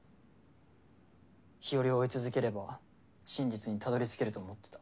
日和を追い続ければ真実にたどりつけると思ってた。